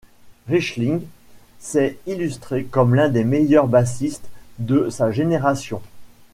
Richling s'est illustré comme l'un des meilleurs bassiste de sa génération.